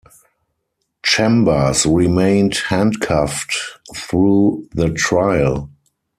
Chambers remained handcuffed through the trial.